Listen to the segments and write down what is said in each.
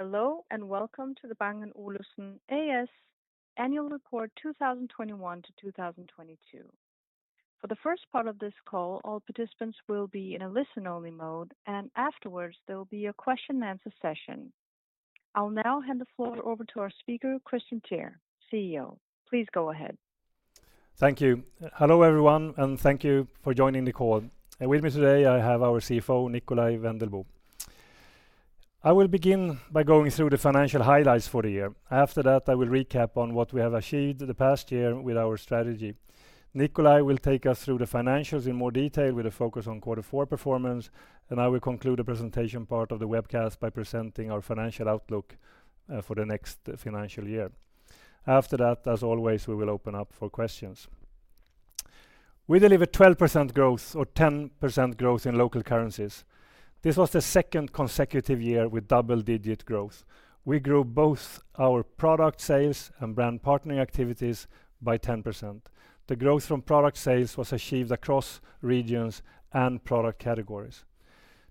Hello, and welcome to the Bang & Olufsen A/S Annual Report 2021-2022. For the first part of this call, all participants will be in a listen-only mode, and afterwards there will be a question and answer session. I'll now hand the floor over to our speaker, Kristian Teär, CEO. Please go ahead. Thank you. Hello, everyone, and thank you for joining the call. With me today, I have our CFO, Nikolaj Wendelboe. I will begin by going through the financial highlights for the year. After that, I will recap on what we have achieved the past year with our strategy. Nikolaj will take us through the financials in more detail with a focus on quarter four performance, and I will conclude the presentation part of the webcast by presenting our financial outlook for the next financial year. After that, as always, we will open up for questions. We delivered 12% growth or 10% growth in local currencies. This was the second consecutive year with double-digit growth. We grew both our product sales and brand partnering activities by 10%. The growth from product sales was achieved across regions and product categories.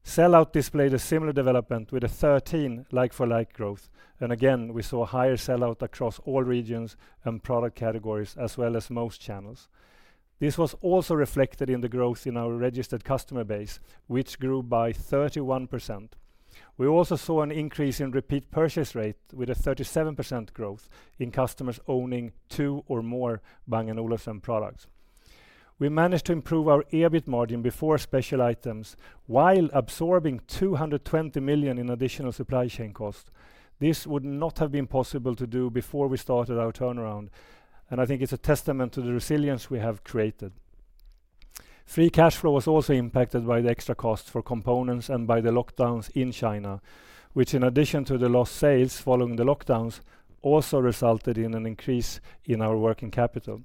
Sell-out displayed a similar development with a 13% like-for-like growth. Again, we saw a higher sell-out across all regions and product categories, as well as most channels. This was also reflected in the growth in our registered customer base, which grew by 31%. We also saw an increase in repeat purchase rate with a 37% growth in customers owning two or more Bang & Olufsen products. We managed to improve our EBIT margin before special items while absorbing 220 million in additional supply chain costs. This would not have been possible to do before we started our turnaround, and I think it's a testament to the resilience we have created. Free cash flow was also impacted by the extra cost for components and by the lockdowns in China, which in addition to the lost sales following the lockdowns, also resulted in an increase in our working capital.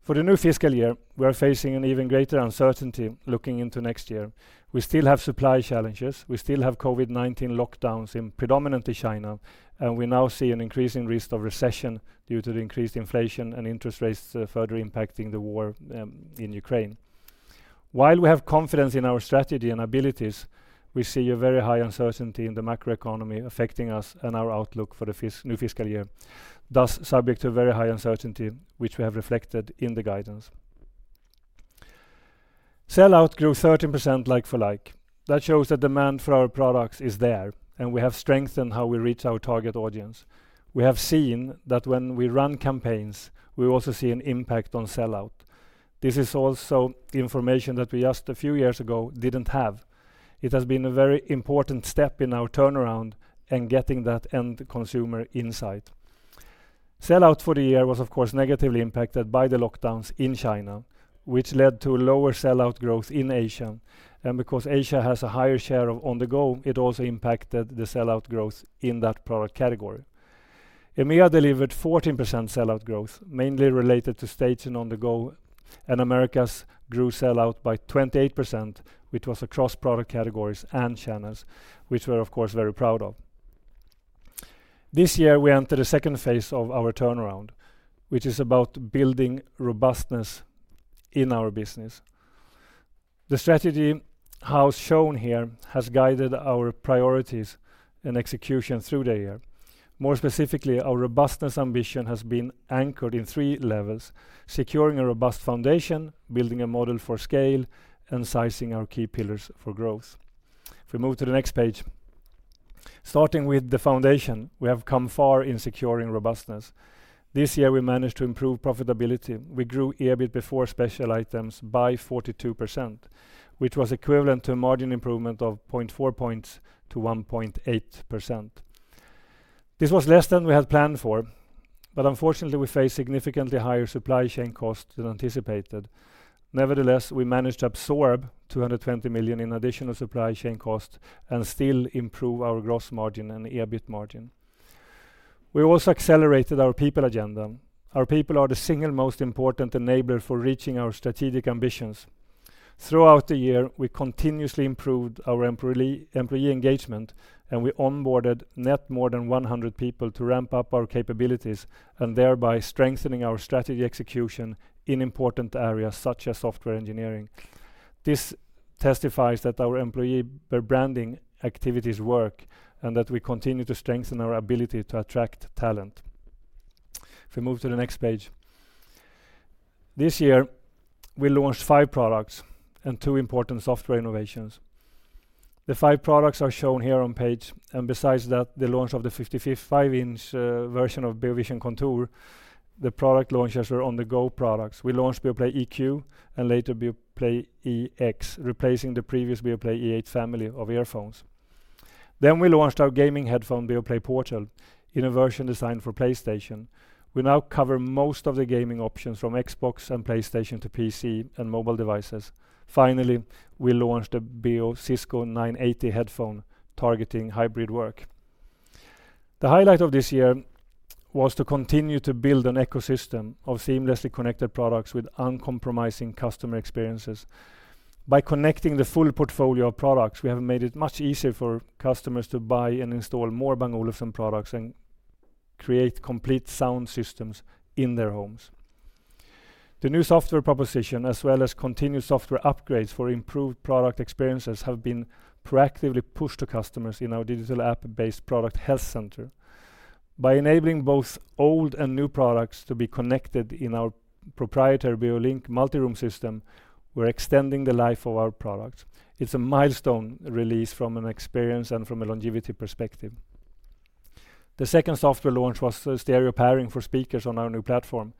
For the new fiscal year, we are facing an even greater uncertainty looking into next year. We still have supply challenges. We still have COVID-19 lockdowns in predominantly China, and we now see an increasing risk of recession due to the increased inflation and interest rates further impacting the war in Ukraine. While we have confidence in our strategy and abilities, we see a very high uncertainty in the macroeconomy affecting us and our outlook for the new fiscal year, thus subject to very high uncertainty, which we have reflected in the guidance. Sell-out grew 13% like for like. That shows the demand for our products is there, and we have strengthened how we reach our target audience. We have seen that when we run campaigns, we also see an impact on sell-out. This is also the information that we just a few years ago didn't have. It has been a very important step in our turnaround and getting that end consumer insight. Sell-out for the year was, of course, negatively impacted by the lockdowns in China, which led to lower sell-out growth in Asia. Because Asia has a higher share of On-the-go, it also impacted the sell-out growth in that product category. EMEA delivered 14% sell-out growth, mainly related to Stage, On-the-go, and Americas grew sell-out by 28%, which was across product categories and channels, which we're, of course, very proud of. This year, we enter the second phase of our turnaround, which is about building robustness in our business. The strategy, as shown here, has guided our priorities and execution through the year. More specifically, our robustness ambition has been anchored in three levels: securing a robust foundation, building a model for scale, and sizing our key pillars for growth. If we move to the next page. Starting with the foundation, we have come far in securing robustness. This year, we managed to improve profitability. We grew EBIT before special items by 42%, which was equivalent to a margin improvement of 0.4 points to 1.8%. This was less than we had planned for, but unfortunately, we faced significantly higher supply chain costs than anticipated. Nevertheless, we managed to absorb 220 million in additional supply chain costs and still improve our gross margin and EBIT margin. We also accelerated our people agenda. Our people are the single most important enabler for reaching our strategic ambitions. Throughout the year, we continuously improved our employee engagement, and we onboarded net more than 100 people to ramp up our capabilities and thereby strengthening our strategy execution in important areas such as software engineering. This testifies that our employee rebranding activities work, and that we continue to strengthen our ability to attract talent. If we move to the next page. This year, we launched five products and two important software innovations. The five products are shown here on page. Besides that, the launch of the 55-inch version of Beovision Contour, the product launches were On-the-go products. We launched Beoplay EQ and later Beoplay EX, replacing the previous Beoplay H family of earphones. We launched our gaming headphone, Beoplay Portal, in a version designed for PlayStation. We now cover most of the gaming options from Xbox and PlayStation to PC and mobile devices. Finally, we launched a Bang & Olufsen Cisco 980 headphone targeting hybrid work. The highlight of this year was to continue to build an ecosystem of seamlessly connected products with uncompromising customer experiences. By connecting the full portfolio of products, we have made it much easier for customers to buy and install more Bang & Olufsen products and create complete sound systems in their homes. The new software proposition as well as continued software upgrades for improved product experiences have been proactively pushed to customers in our digital app-based product health center. By enabling both old and new products to be connected in our proprietary Beolink multi-room system, we're extending the life of our product. It's a milestone release from an experience and from a longevity perspective. The second software launch was stereo pairing for speakers on our new platform.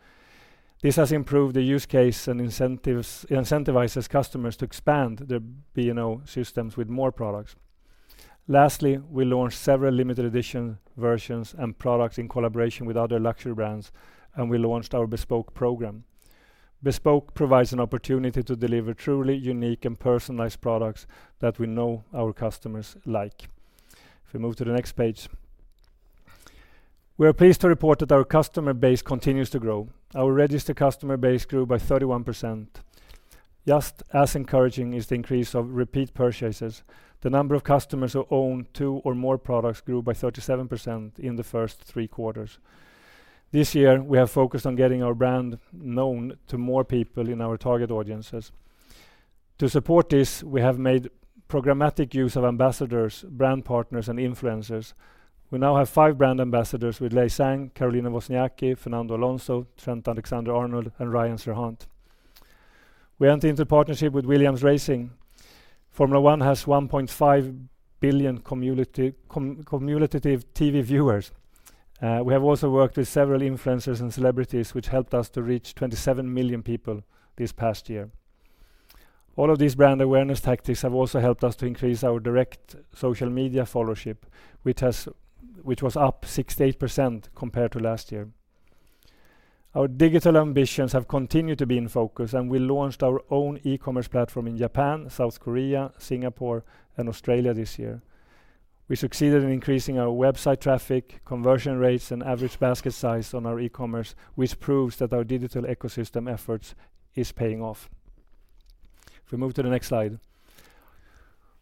This has improved the use case and incentivizes customers to expand their B&O systems with more products. Lastly, we launched several limited edition versions and products in collaboration with other luxury brands, and we launched our bespoke program. Bespoke provides an opportunity to deliver truly unique and personalized products that we know our customers like. If we move to the next page. We are pleased to report that our customer base continues to grow. Our registered customer base grew by 31%. Just as encouraging is the increase of repeat purchases. The number of customers who own two or more products grew by 37% in the first three quarters. This year, we have focused on getting our brand known to more people in our target audiences. To support this, we have made programmatic use of ambassadors, brand partners, and influencers. We now have five brand ambassadors with Zhang Lei, Caroline Wozniacki, Fernando Alonso, Trent Alexander-Arnold, and Ryan Serhant. We entered into partnership with Williams Racing. Formula One has 1.5 billion cumulative TV viewers. We have also worked with several influencers and celebrities which helped us to reach 27 million people this past year. All of these brand awareness tactics have also helped us to increase our direct social media followership, which was up 68% compared to last year. Our digital ambitions have continued to be in focus, and we launched our own e-commerce platform in Japan, South Korea, Singapore, and Australia this year. We succeeded in increasing our website traffic, conversion rates, and average basket size on our e-commerce, which proves that our digital ecosystem efforts is paying off. If we move to the next slide.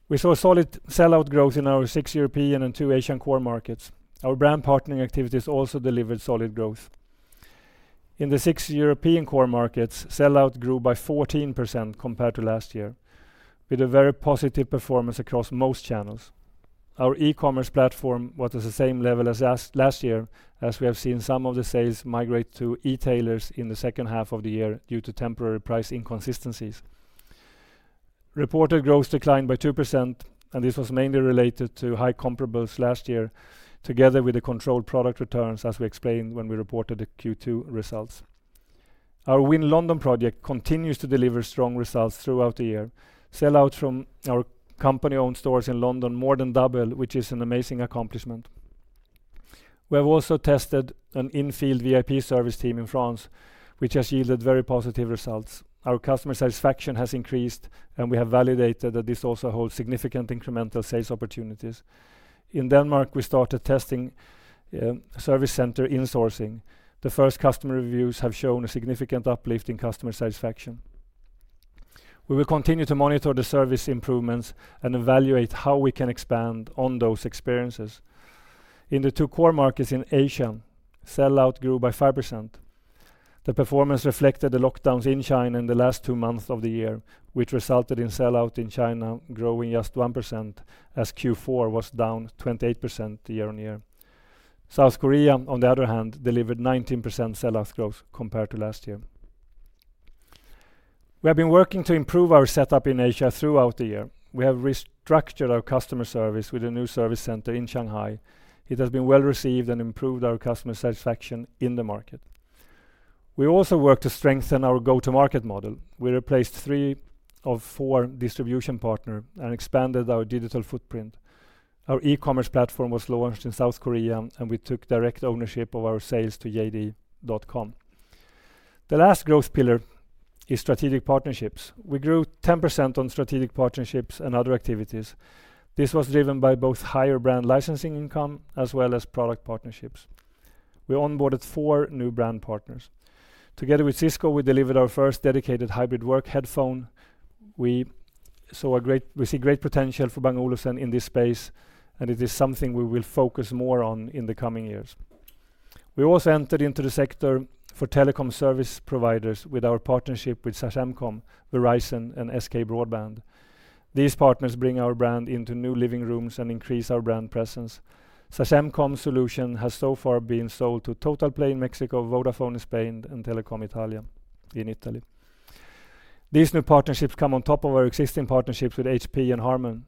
We saw solid sell-out growth in our six European and two Asian core markets. Our brand partnering activities also delivered solid growth. In the six European core markets, sell-out grew by 14% compared to last year, with a very positive performance across most channels. Our e-commerce platform was at the same level as last year as we have seen some of the sales migrate to e-tailers in the second half of the year due to temporary price inconsistencies. Reported growth declined by 2%, and this was mainly related to high comparables last year, together with the controlled product returns, as we explained when we reported the Q2 results. Our Win London project continues to deliver strong results throughout the year. Sell-out from our company-owned stores in London more than double, which is an amazing accomplishment. We have also tested an in-field VIP service team in France, which has yielded very positive results. Our customer satisfaction has increased, and we have validated that this also holds significant incremental sales opportunities. In Denmark, we started testing service center insourcing. The first customer reviews have shown a significant uplift in customer satisfaction. We will continue to monitor the service improvements and evaluate how we can expand on those experiences. In the two core markets in Asia, sell-out grew by 5%. The performance reflected the lockdowns in China in the last two months of the year, which resulted in sell-out in China growing just 1% as Q4 was down 28% year-on-year. South Korea, on the other hand, delivered 19% sell-out growth compared to last year. We have been working to improve our setup in Asia throughout the year. We have restructured our customer service with a new service center in Shanghai. It has been well-received and improved our customer satisfaction in the market. We also worked to strengthen our go-to-market model. We replaced three of four distribution partner and expanded our digital footprint. Our e-commerce platform was launched in South Korea, and we took direct ownership of our sales to JD.com. The last growth pillar is strategic partnerships. We grew 10% on strategic partnerships and other activities. This was driven by both higher brand licensing income as well as product partnerships. We onboarded four new brand partners. Together with Cisco, we delivered our first dedicated hybrid work headphone. We see great potential for Bang & Olufsen in this space, and it is something we will focus more on in the coming years. We also entered into the sector for telecom service providers with our partnership with Sagemcom, Verizon, and SK Broadband. These partners bring our brand into new living rooms and increase our brand presence. Sagemcom solution has so far been sold to Totalplay in Mexico, Vodafone in Spain, and Telecom Italia in Italy. These new partnerships come on top of our existing partnerships with HP and Harman.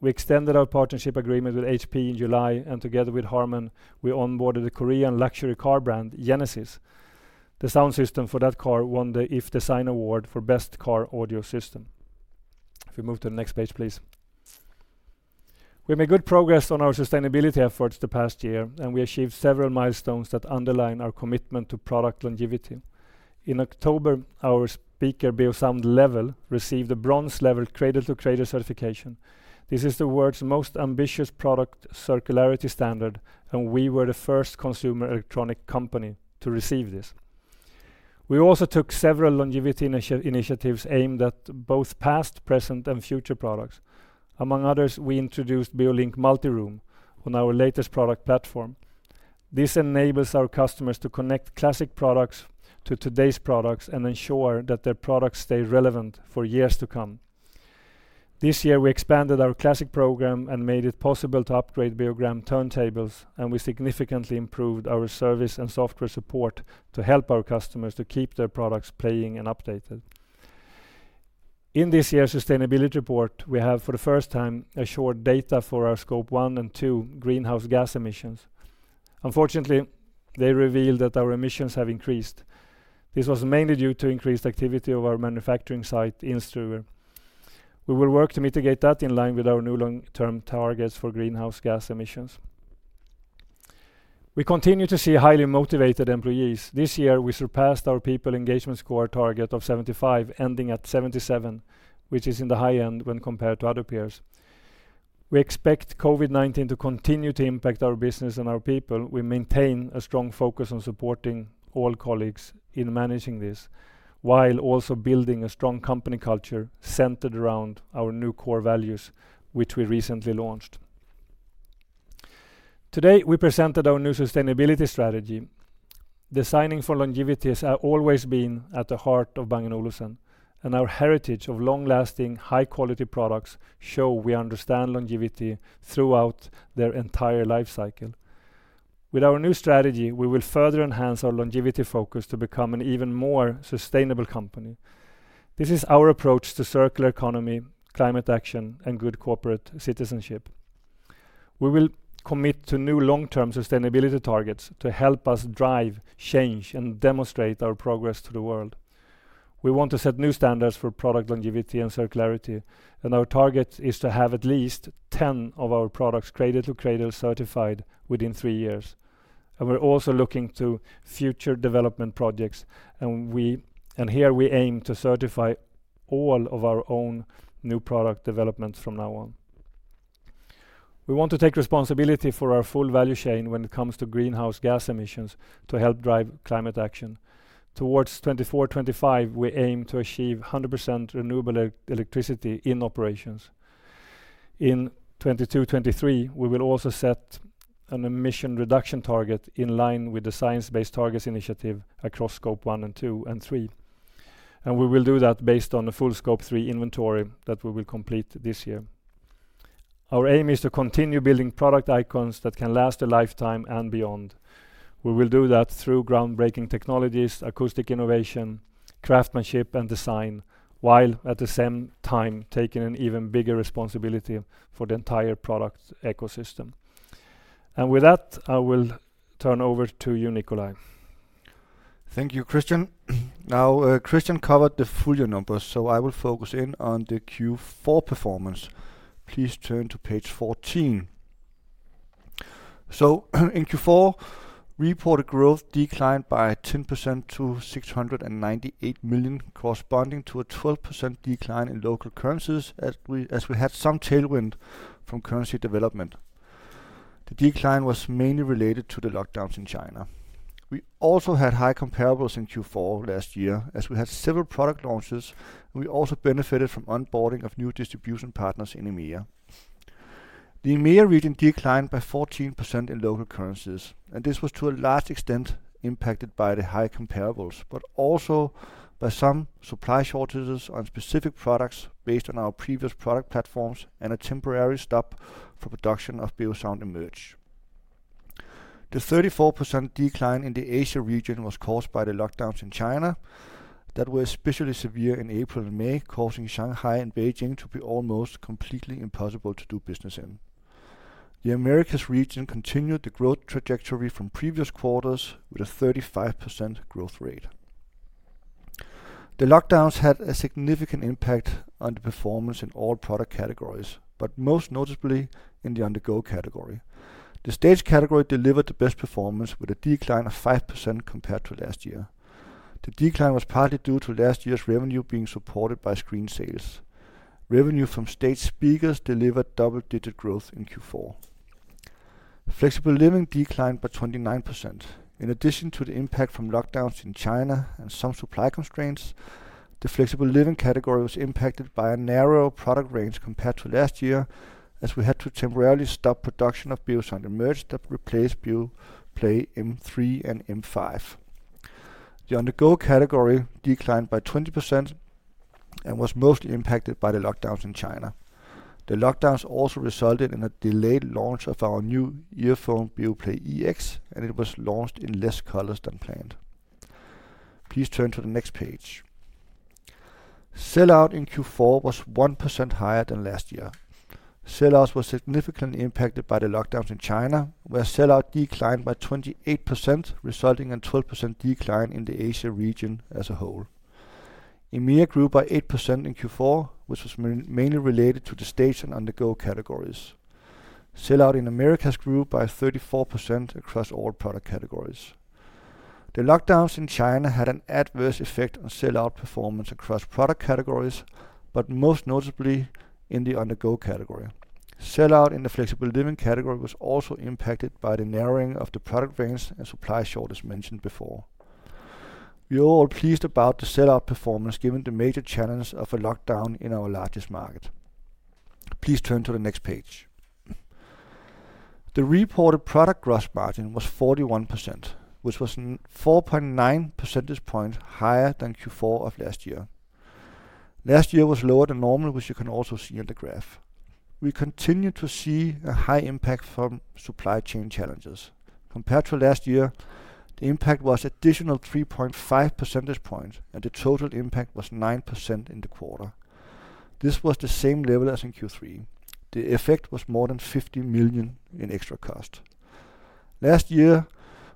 We extended our partnership agreement with HP in July, and together with Harman, we onboarded the Korean luxury car brand, Genesis. The sound system for that car won the iF Design Award for best car audio system. If we move to the next page, please. We made good progress on our sustainability efforts the past year, and we achieved several milestones that underline our commitment to product longevity. In October, our speaker, Beosound Level, received a bronze level Cradle to Cradle certification. This is the world's most ambitious product circularity standard, and we were the first consumer electronics company to receive this. We also took several longevity initiatives aimed at both past, present, and future products. Among others, we introduced Beolink Multiroom on our latest product platform. This enables our customers to connect classic products to today's products and ensure that their products stay relevant for years to come. This year, we expanded our classic program and made it possible to upgrade Beogram turntables, and we significantly improved our service and software support to help our customers to keep their products playing and updated. In this year's sustainability report, we have, for the first time, assured data for our scope 1 and 2 greenhouse gas emissions. Unfortunately, they reveal that our emissions have increased. This was mainly due to increased activity of our manufacturing site in Struer. We will work to mitigate that in line with our new long-term targets for greenhouse gas emissions. We continue to see highly motivated employees. This year, we surpassed our people engagement score target of 75, ending at 77, which is in the high end when compared to other peers. We expect COVID-19 to continue to impact our business and our people. We maintain a strong focus on supporting all colleagues in managing this, while also building a strong company culture centered around our new core values, which we recently launched. Today, we presented our new sustainability strategy. Designing for longevity has always been at the heart of Bang & Olufsen, and our heritage of long-lasting, high-quality products show we understand longevity throughout their entire life cycle. With our new strategy, we will further enhance our longevity focus to become an even more sustainable company. This is our approach to circular economy, climate action, and good corporate citizenship. We will commit to new long-term sustainability targets to help us drive change and demonstrate our progress to the world. We want to set new standards for product longevity and circularity, and our target is to have at least 10 of our products Cradle to Cradle certified within three years. We're also looking to future development projects, and here we aim to certify all of our own new product developments from now on. We want to take responsibility for our full value chain when it comes to greenhouse gas emissions to help drive climate action. Towards 2024-2025, we aim to achieve 100% renewable electricity in operations. In 2022-2023, we will also set an emission reduction target in line with the Science Based Targets initiative across scope 1 and 2 and 3, and we will do that based on the full scope 3 inventory that we will complete this year. Our aim is to continue building product icons that can last a lifetime and beyond. We will do that through groundbreaking technologies, acoustic innovation, craftsmanship, and design, while at the same time taking an even bigger responsibility for the entire product ecosystem. With that, I will turn over to you, Nikolaj. Thank you, Kristian. Now, Kristian covered the full year numbers, so I will focus in on the Q4 performance. Please turn to page 14. In Q4, reported growth declined by 10% to 698 million, corresponding to a 12% decline in local currencies as we had some tailwind from currency development. The decline was mainly related to the lockdowns in China. We also had high comparables in Q4 last year. As we had several product launches, we also benefited from onboarding of new distribution partners in EMEA. The EMEA region declined by 14% in local currencies, and this was to a large extent impacted by the high comparables, but also by some supply shortages on specific products based on our previous product platforms and a temporary stop for production of Beosound Emerge. The 34% decline in the Asia region was caused by the lockdowns in China that were especially severe in April and May, causing Shanghai and Beijing to be almost completely impossible to do business in. The Americas region continued the growth trajectory from previous quarters with a 35% growth rate. The lockdowns had a significant impact on the performance in all product categories, but most noticeably in the On-the-go category. The Stage category delivered the best performance with a decline of 5% compared to last year. The decline was partly due to last year's revenue being supported by screen sales. Revenue from Stage speakers delivered double-digit growth in Q4. Flexible Living declined by 29%. In addition to the impact from lockdowns in China and some supply constraints, the Flexible Living category was impacted by a narrow product range compared to last year, as we had to temporarily stop production of Beosound Emerge that replaced Beoplay M3 and M5. The On-the-go category declined by 20% and was mostly impacted by the lockdowns in China. The lockdowns also resulted in a delayed launch of our new earphone, Beoplay EX, and it was launched in less colors than planned. Please turn to the next page. Sell-out in Q4 was 1% higher than last year. Sell-outs were significantly impacted by the lockdowns in China, where sell-out declined by 28%, resulting in 12% decline in the Asia region as a whole. EMEA grew by 8% in Q4, which was mainly related to the Stage and On-the-go categories. Sell-out in Americas grew by 34% across all product categories. The lockdowns in China had an adverse effect on sell-out performance across product categories, but most noticeably in the On-the-go category. Sell-out in the Flexible Living category was also impacted by the narrowing of the product range and supply shortage mentioned before. We are all pleased about the sell-out performance given the major challenge of a lockdown in our largest market. Please turn to the next page. The reported product gross margin was 41%, which was 4.9 percentage points higher than Q4 of last year. Last year was lower than normal, which you can also see on the graph. We continue to see a high impact from supply chain challenges. Compared to last year, the impact was additional 3.5 percentage points, and the total impact was 9% in the quarter. This was the same level as in Q3. The effect was more than 50 million in extra cost. Last year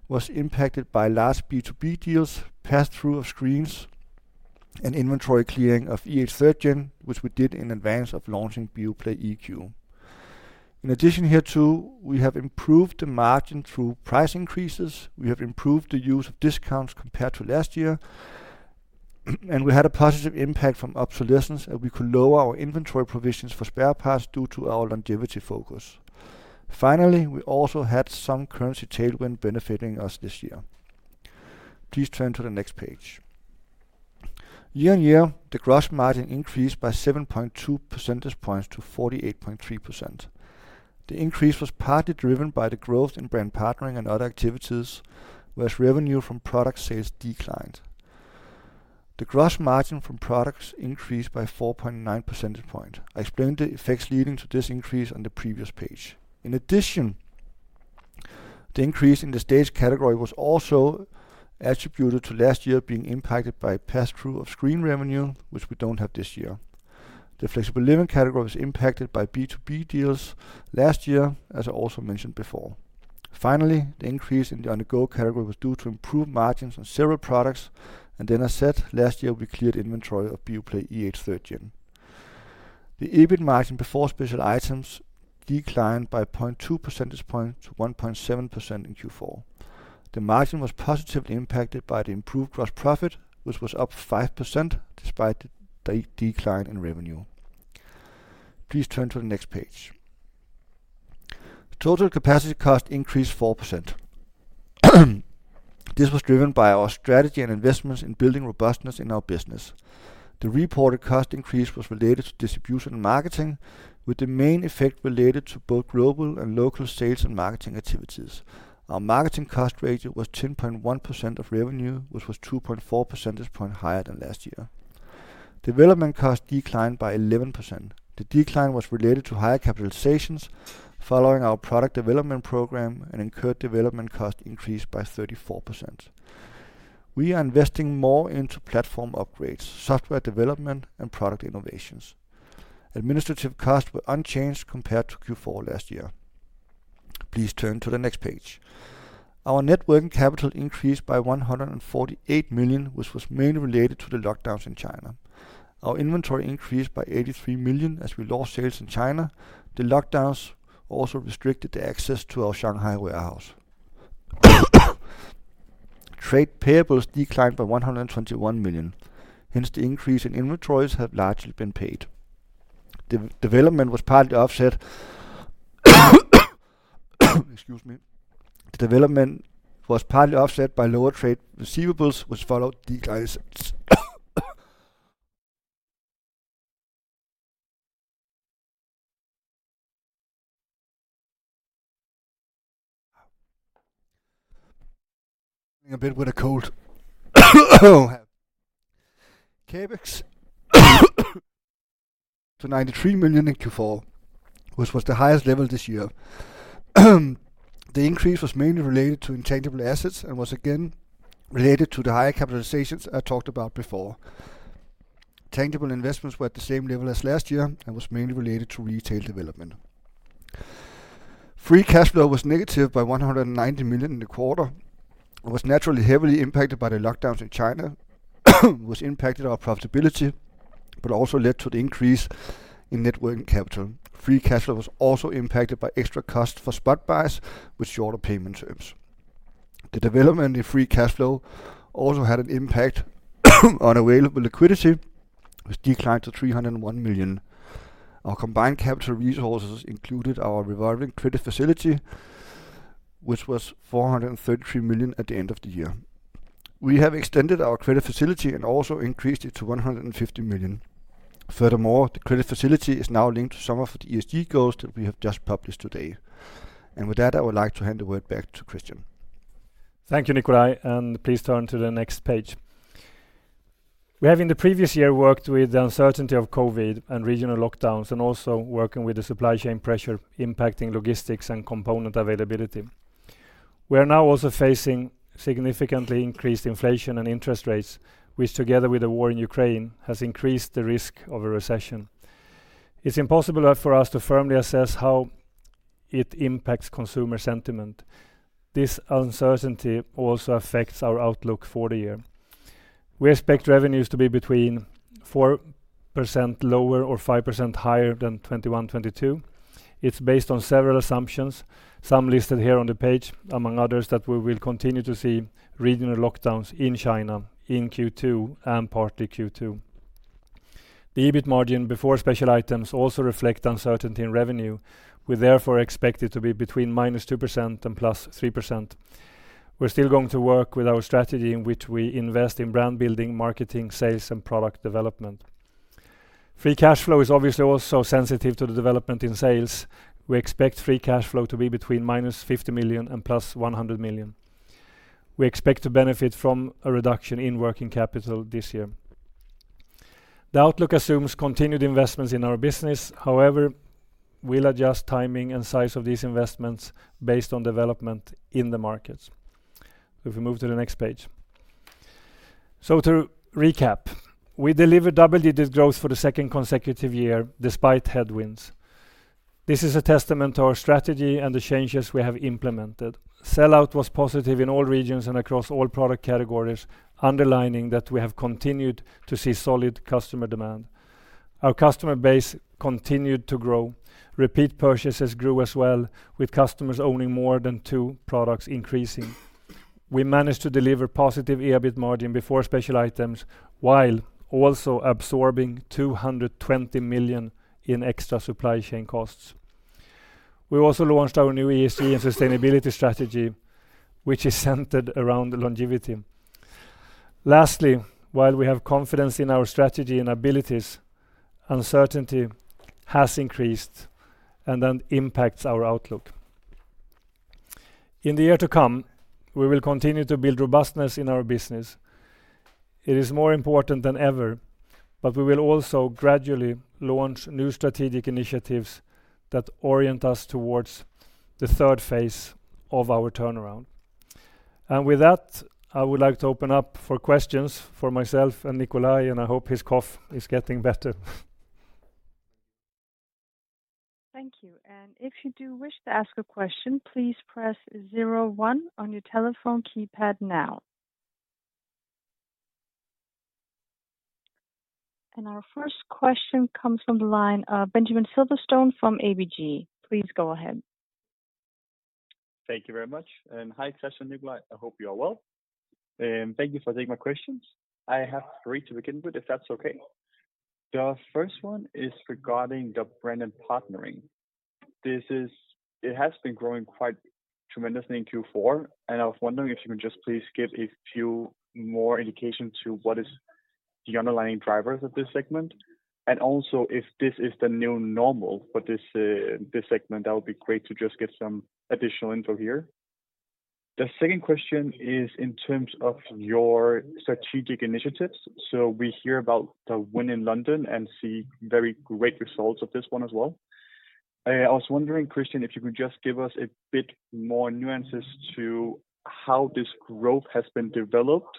was impacted by large B2B deals, pass-through of screens, and inventory clearing of Beoplay E8 3rd Gen, which we did in advance of launching Beoplay EQ. In addition hereto, we have improved the margin through price increases, we have improved the use of discounts compared to last year, and we had a positive impact from obsolescence, and we could lower our inventory provisions for spare parts due to our longevity focus. Finally, we also had some currency tailwind benefiting us this year. Please turn to the next page. Year-on-year, the gross margin increased by 7.2 percentage points to 48.3%. The increase was partly driven by the growth in brand partnering and other activities, whereas revenue from product sales declined. The gross margin from products increased by 4.9 percentage point. I explained the effects leading to this increase on the previous page. In addition, the increase in the Stage category was also attributed to last year being impacted by pass-through of screen revenue, which we don't have this year. The Flexible Living category was impacted by B2B deals last year, as I also mentioned before. Finally, the increase in the On-the-Go category was due to improved margins on several products. I said last year we cleared inventory of Beoplay E8 3rd Gen. The EBIT margin before special items declined by 0.2 percentage point to 1.7% in Q4. The margin was positively impacted by the improved gross profit, which was up 5% despite the decline in revenue. Please turn to the next page. Total capacity cost increased 4%. This was driven by our strategy and investments in building robustness in our business. The reported cost increase was related to distribution and marketing, with the main effect related to both global and local sales and marketing activities. Our marketing cost ratio was 10.1% of revenue, which was 2.4 percentage point higher than last year. Development costs declined by 11%. The decline was related to higher capitalizations following our product development program, and incurred development costs increased by 34%. We are investing more into platform upgrades, software development, and product innovations. Administrative costs were unchanged compared to Q4 last year. Please turn to the next page. Our net working capital increased by 148 million, which was mainly related to the lockdowns in China. Our inventory increased by 83 million as we lost sales in China. The lockdowns also restricted the access to our Shanghai warehouse. Trade payables declined by 121 million. Hence, the increase in inventories have largely been paid. Excuse me. The development was partly offset by lower trade receivables, which followed declines. Struggling a bit with a cold. CapEx to 93 million in Q4, which was the highest level this year. The increase was mainly related to intangible assets and was again related to the higher capitalizations I talked about before. Tangible investments were at the same level as last year and was mainly related to retail development. Free cash flow was negative by 190 million in the quarter and was naturally heavily impacted by the lockdowns in China, which impacted our profitability, but also led to the increase in net working capital. Free cash flow was also impacted by extra costs for spot buys with shorter payment terms. The development in free cash flow also had an impact on available liquidity, which declined to 301 million. Our combined capital resources included our revolving credit facility, which was 433 million at the end of the year. We have extended our credit facility and also increased it to 150 million. Furthermore, the credit facility is now linked to some of the ESG goals that we have just published today. With that, I would like to hand the word back to Kristian. Thank you, Nikolaj, and please turn to the next page. We have in the previous year worked with the uncertainty of COVID and regional lockdowns and also working with the supply chain pressure impacting logistics and component availability. We are now also facing significantly increased inflation and interest rates, which together with the war in Ukraine, has increased the risk of a recession. It's impossible for us to firmly assess how it impacts consumer sentiment. This uncertainty also affects our outlook for the year. We expect revenues to be between 4% lower or 5% higher than 2021, 2022. It's based on several assumptions, some listed here on the page, among others, that we will continue to see regional lockdowns in China in Q2 and partly Q2. The EBIT margin before special items also reflect uncertainty in revenue. We therefore expect it to be between -2% and +3%. We're still going to work with our strategy in which we invest in brand building, marketing, sales, and product development. Free cash flow is obviously also sensitive to the development in sales. We expect free cash flow to be between -50 million and +100 million. We expect to benefit from a reduction in working capital this year. The outlook assumes continued investments in our business. However, we'll adjust timing and size of these investments based on development in the markets. If we move to the next page. To recap, we delivered double-digit growth for the second consecutive year despite headwinds. This is a testament to our strategy and the changes we have implemented. Sellout was positive in all regions and across all product categories, underlining that we have continued to see solid customer demand. Our customer base continued to grow. Repeat purchases grew as well, with customers owning more than two products increasing. We managed to deliver positive EBIT margin before special items, while also absorbing 220 million in extra supply chain costs. We also launched our new ESG and sustainability strategy, which is centered around longevity. Lastly, while we have confidence in our strategy and abilities, uncertainty has increased and then impacts our outlook. In the year to come, we will continue to build robustness in our business. It is more important than ever, but we will also gradually launch new strategic initiatives that orient us towards the third phase of our turnaround. With that, I would like to open up for questions for myself and Nikolaj, and I hope his cough is getting better. Thank you. If you do wish to ask a question, please press zero one on your telephone keypad now. Our first question comes from the line of Benjamin Silverstone from ABG. Please go ahead. Thank you very much. Hi, Kristian and Nikolaj. I hope you are well. Thank you for taking my questions. I have three to begin with, if that's okay. The first one is regarding the brand and partnering. It has been growing quite tremendously in Q4, and I was wondering if you can just please give a few more indication to what is the underlying drivers of this segment, and also if this is the new normal for this segment. That would be great to just get some additional info here. The second question is in terms of your strategic initiatives. We hear about the Win London and see very great results of this one as well. I was wondering, Kristian, if you could just give us a bit more nuances to how this growth has been developed.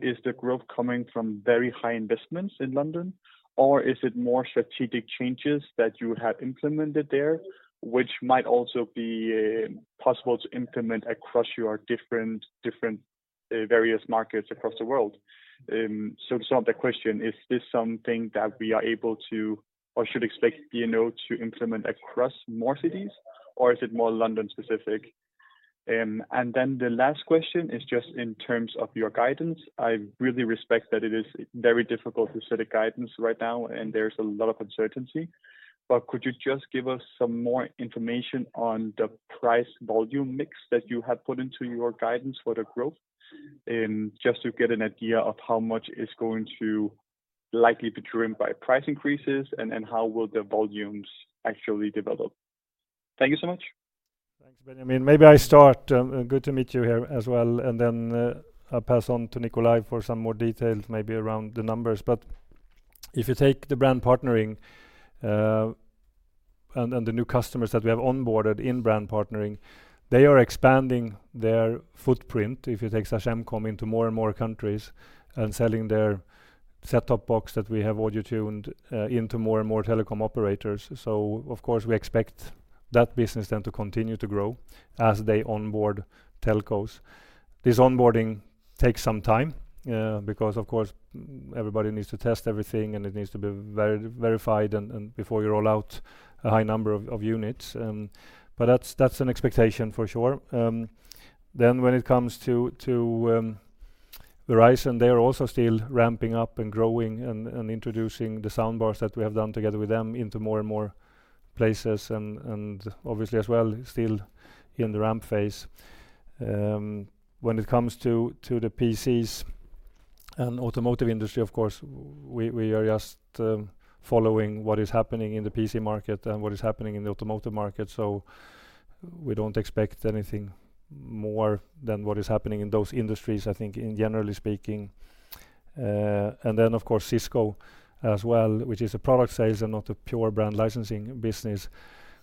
Is the growth coming from very high investments in London, or is it more strategic changes that you have implemented there, which might also be possible to implement across your different various markets across the world? To sum up the question, is this something that we are able to or should expect B&O to implement across more cities, or is it more London-specific? The last question is just in terms of your guidance. I really respect that it is very difficult to set a guidance right now and there's a lot of uncertainty. Could you just give us some more information on the price-volume mix that you have put into your guidance for the growth? Just to get an idea of how much is going to likely be driven by price increases and how will the volumes actually develop. Thank you so much. Thanks, Benjamin. Maybe I start. Good to meet you here as well, and then I'll pass on to Nikolaj for some more details, maybe around the numbers. If you take the brand partnering and the new customers that we have onboarded in brand partnering, they are expanding their footprint, if you take Sagemcom into more and more countries and selling their set-top box that we have audio tuned into more and more telecom operators. Of course, we expect that business then to continue to grow as they onboard telcos. This onboarding takes some time because of course, everybody needs to test everything, and it needs to be verified and before you roll out a high number of units. That's an expectation for sure. When it comes to Verizon, they are also still ramping up and growing and introducing the sound bars that we have done together with them into more and more places and obviously as well, still in the ramp phase. When it comes to the PCs and automotive industry, of course, we are just following what is happening in the PC market and what is happening in the automotive market. We don't expect anything more than what is happening in those industries, I think, generally speaking. Of course, Cisco as well, which is a product sales and not a pure brand licensing business.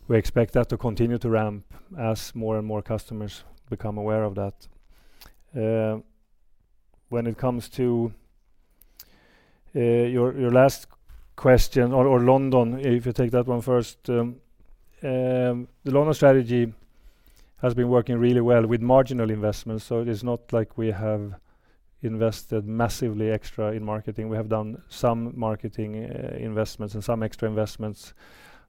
We expect that to continue to ramp as more and more customers become aware of that. When it comes to your last question on London, if you take that one first. The London strategy has been working really well with marginal investments, so it is not like we have invested massively extra in marketing. We have done some marketing investments and some extra investments,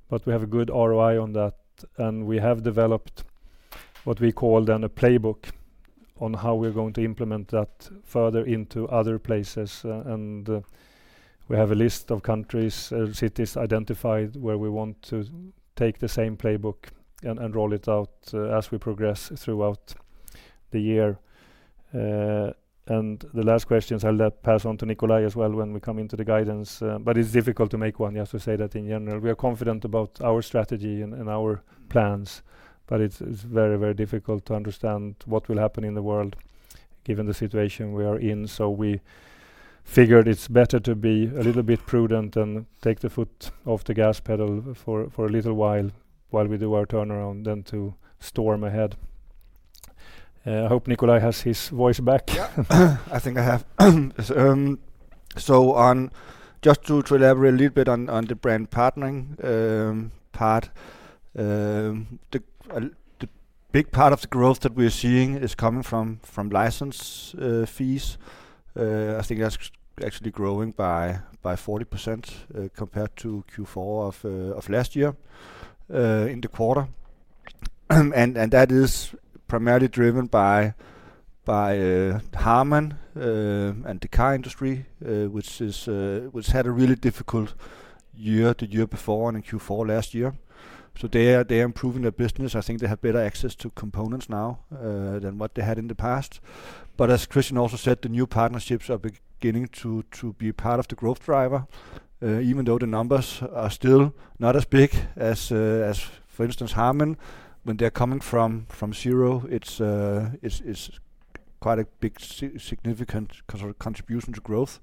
but we have a good ROI on that, and we have developed what we call then a playbook on how we're going to implement that further into other places. We have a list of countries, cities identified where we want to take the same playbook and roll it out as we progress throughout the year. The last questions I'll let pass on to Nikolaj as well when we come into the guidance, but it's difficult to make one. Yes, to say that in general, we are confident about our strategy and our plans, but it's very, very difficult to understand what will happen in the world given the situation we are in. We figured it's better to be a little bit prudent and take the foot off the gas pedal for a little while we do our turnaround than to storm ahead. I hope Nikolaj has his voice back. Yeah. I think I have. To elaborate a little bit on the brand partnering part, the big part of the growth that we're seeing is coming from license fees. I think that's actually growing by 40% compared to Q4 of last year in the quarter. That is primarily driven by Harman and the car industry, which had a really difficult year the year before and in Q4 last year. They are improving their business. I think they have better access to components now than what they had in the past. As Kristian Teär also said, the new partnerships are beginning to be part of the growth driver. Even though the numbers are still not as big as, for instance, Harman, when they're coming from zero, it's quite a big significant contribution to growth.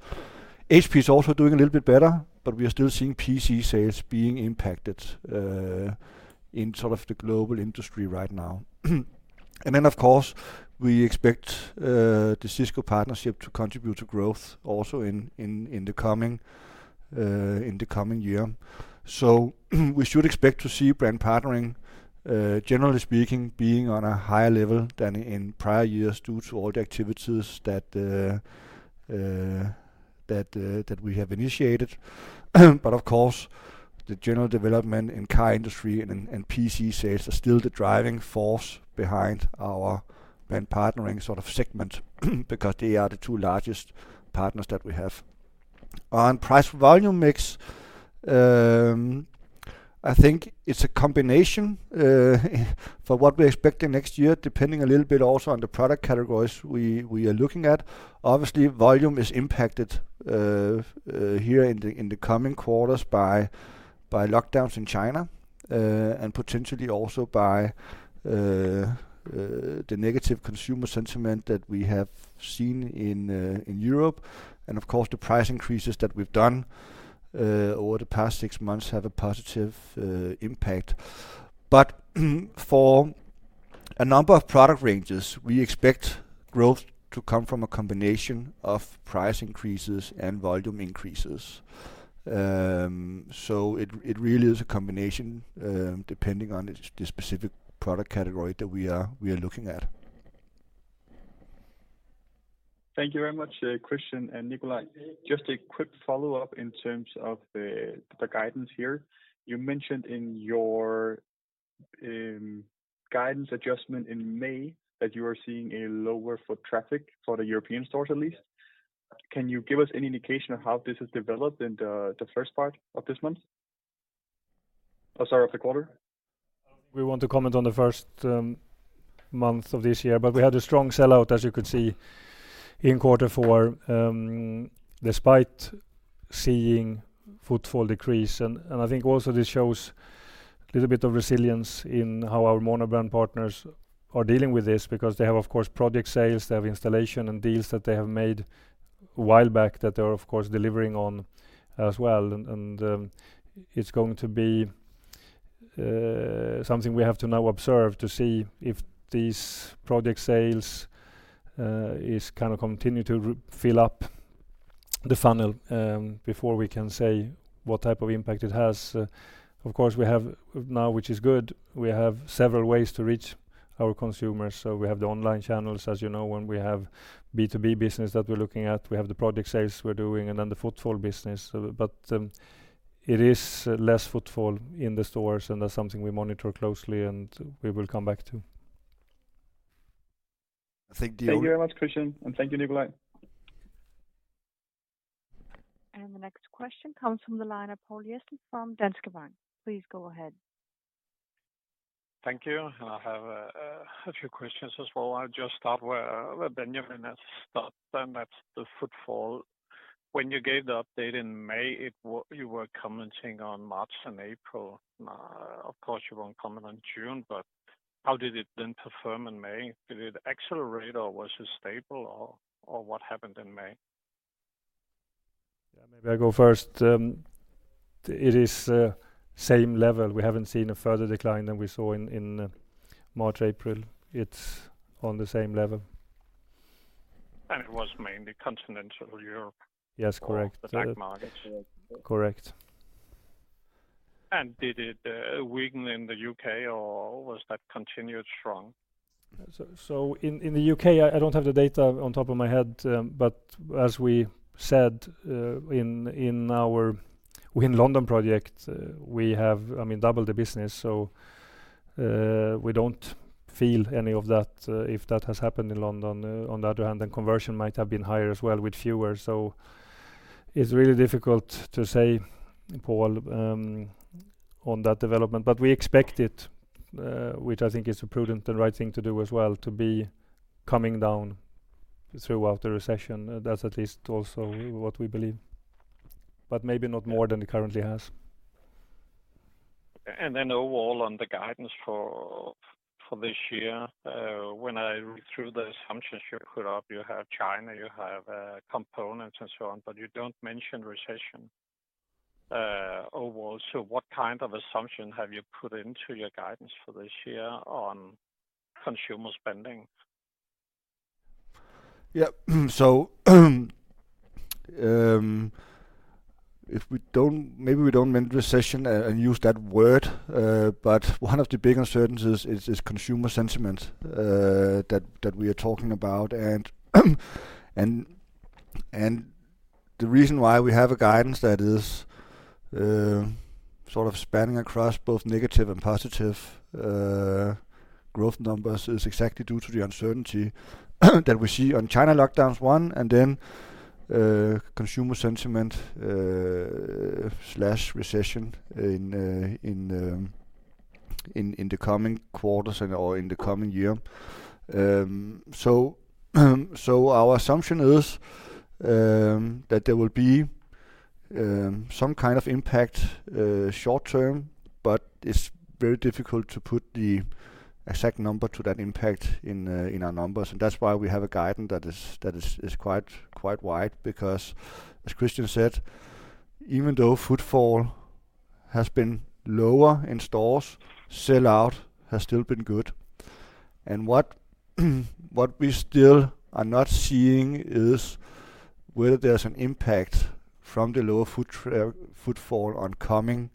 HP is also doing a little bit better, but we are still seeing PC sales being impacted in sort of the global industry right now. Of course, we expect the Cisco partnership to contribute to growth also in the coming year. We should expect to see brand partnering, generally speaking, being on a higher level than in prior years due to all the activities that we have initiated. Of course, the general development in car industry and in PC sales are still the driving force behind our brand partnering sort of segment because they are the two largest partners that we have. On price volume mix, I think it's a combination for what we're expecting next year, depending a little bit also on the product categories we are looking at. Obviously, volume is impacted here in the coming quarters by lockdowns in China, and potentially also by the negative consumer sentiment that we have seen in Europe. Of course, the price increases that we've done over the past six months have a positive impact. For a number of product ranges, we expect growth to come from a combination of price increases and volume increases. It really is a combination, depending on the specific product category that we are looking at. Thank you very much, Kristian and Nikolaj. Just a quick follow-up in terms of the guidance here. You mentioned in your guidance adjustment in May that you are seeing a lower foot traffic for the European stores at least. Can you give us any indication of how this has developed in the first part of this month? Oh, sorry, of the quarter. We want to comment on the first month of this year, but we had a strong sellout as you could see in quarter four, despite seeing footfall decrease. I think also this shows a little bit of resilience in how our monobrand partners are dealing with this because they have, of course, project sales, they have installation and deals that they have made a while back that they're of course delivering on as well. It's going to be something we have to now observe to see if these project sales is gonna continue to refill the funnel before we can say what type of impact it has. Of course, we have now, which is good, we have several ways to reach our consumers. We have the online channels, as you know, and we have B2B business that we're looking at. We have the project sales we're doing and then the footfall business. It is less footfall in the stores, and that's something we monitor closely and we will come back to. I think the o- Thank you very much, Kristian, and thank you, Nikolaj. The next question comes from the line of Poul Jessen from Danske Bank. Please go ahead. Thank you. I have a few questions as well. I'll just start where Benjamin has started, and that's the footfall. When you gave the update in May, you were commenting on March and April. Now, of course, you won't comment on June, but how did it then perform in May? Did it accelerate or was it stable or what happened in May? Yeah, maybe I go first. It is same level. We haven't seen a further decline than we saw in March, April. It's on the same level. It was mainly continental Europe. Yes, correct. the DACH markets? Correct. Did it weaken in the UK or was that continued strong? In the UK, I don't have the data off the top of my head, but as we said. In our. Win London project, we have, I mean, doubled the business, so we don't feel any of that if that has happened in London. On the other hand, the conversion might have been higher as well with fewer. It's really difficult to say, Poul, on that development. We expect it, which I think is a prudent and right thing to do as well, to be coming down throughout the recession. That's at least also what we believe, but maybe not more than it currently has. Overall on the guidance for this year, when I read through the assumptions you put up, you have China, you have components and so on, but you don't mention recession overall. What kind of assumption have you put into your guidance for this year on consumer spending? Maybe we don't mean recession and use that word, but one of the big uncertainties is consumer sentiment that we are talking about. The reason why we have a guidance that is sort of spanning across both negative and positive growth numbers is exactly due to the uncertainty that we see on China lockdowns, one, and then consumer sentiment slash recession in the coming quarters and or in the coming year. Our assumption is that there will be some kind of impact short term, but it's very difficult to put the exact number to that impact in our numbers. That's why we have a guidance that is quite wide because, as Kristian said, even though footfall has been lower in stores, sell out has still been good. What we still are not seeing is whether there's an impact from the lower footfall on coming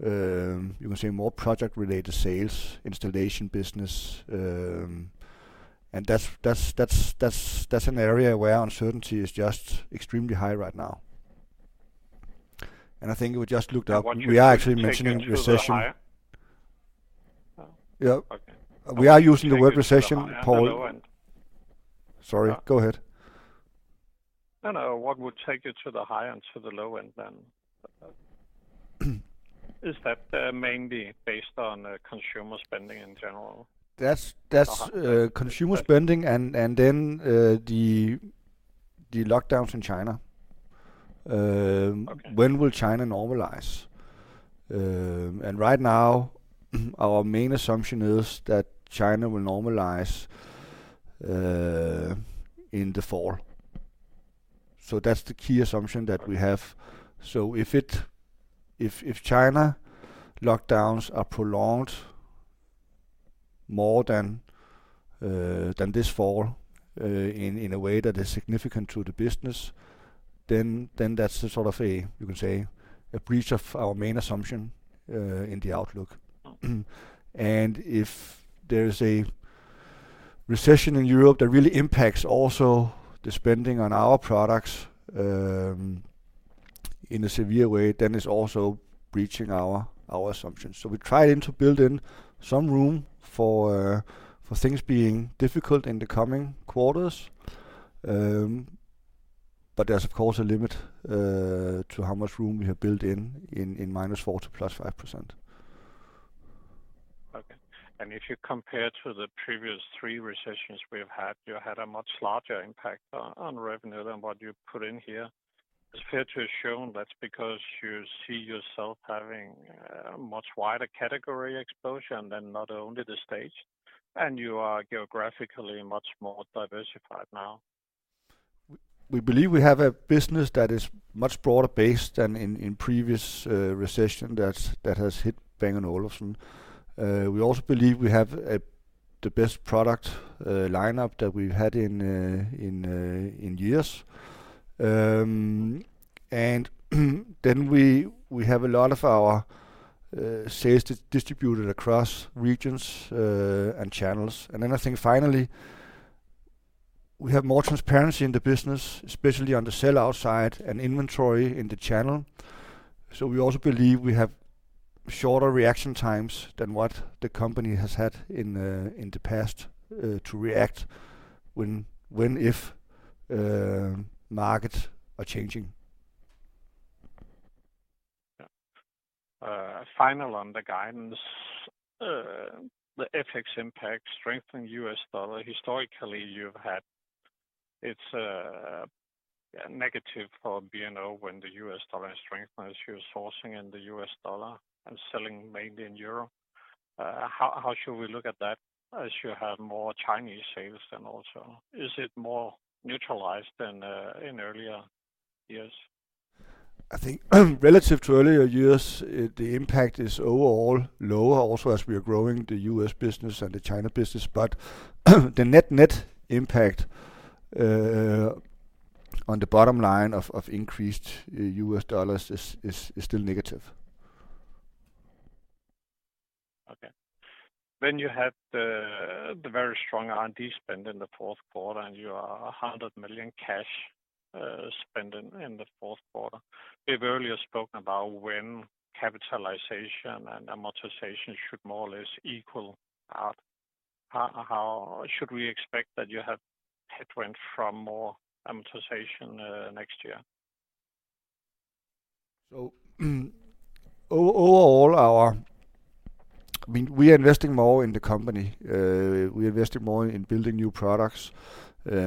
you can say more project-related sales, installation business. That's an area where uncertainty is just extremely high right now. I think we just looked up. What you We are actually mentioning recession. Yeah. We are using the word recession, Poul. Okay. You take it to the high and the low end. Sorry, go ahead. No, no. What would take it to the high and to the low end then? Is that mainly based on consumer spending in general? That's. Or how- consumer spending and then the lockdowns in China. Okay When will China normalize? Right now, our main assumption is that China will normalize in the fall. That's the key assumption that we have. If China lockdowns are prolonged more than this fall in a way that is significant to the business, then that's the sort of a, you can say, a breach of our main assumption in the outlook. Oh. If there is a recession in Europe that really impacts also the spending on our products, in a severe way, then it's also breaching our assumptions. We're trying to build in some room for things being difficult in the coming quarters. There's of course a limit to how much room we have built in -4% to +5%. Okay. If you compare to the previous three recessions we've had, you had a much larger impact on revenue than what you put in here. It's fair to assume that's because you see yourself having a much wider category exposure than not only the Stage, and you are geographically much more diversified now. We believe we have a business that is much broader based than in previous recession that has hit Bang & Olufsen. We also believe we have the best product lineup that we've had in years. We have a lot of our sales distributed across regions and channels. I think finally, we have more transparency in the business, especially on the sell out side and inventory in the channel. We also believe we have shorter reaction times than what the company has had in the past to react when, if markets are changing. Final on the guidance. The FX impact strengthening U.S. dollar. Historically, you've had it's negative for B&O when the U.S. dollar is strengthened as you're sourcing in the U.S. dollar and selling mainly in Europe. How should we look at that as you have more Chinese sales than also? Is it more neutralized than in earlier years? I think relative to earlier years, the impact is overall lower. Also, as we are growing the U.S. business and the China business. The net impact on the bottom line of increased U.S. dollars is still negative. You have the very strong R&D spend in the fourth quarter, and you had 100 million cash spending in the fourth quarter. We've earlier spoken about when capitalization and amortization should more or less equal out. How should we expect that you have headwind from more amortization next year? Overall, I mean, we are investing more in the company. We're investing more in building new products,